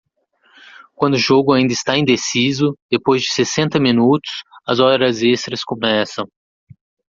Quando o jogo ainda está indeciso depois de sessenta minutos, as horas extras começam.